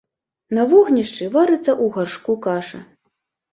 На вогнішчы варыцца ў гаршку каша.